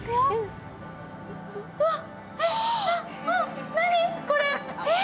うわっ！